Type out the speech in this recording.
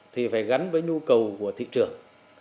thì phải gắn với nhu cầu của thị trường